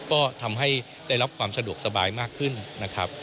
ก็ทำให้ได้รับความสะดวกสบายมากขึ้นนะครับ